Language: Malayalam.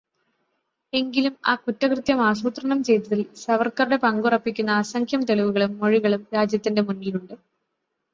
എങ്കിലും ആ കുറ്റകൃത്യം ആസൂത്രണം ചെയ്തതിൽ സവർക്കറുടെ പങ്കുറപ്പിക്കുന്ന അസംഖ്യം തെളിവുകളും മൊഴികളും രാജ്യത്തിന്റെ മുന്നിലുണ്ട്.